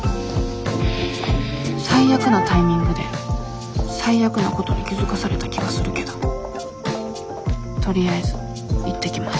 最悪なタイミングで最悪なことに気付かされた気がするけどとりあえずいってきます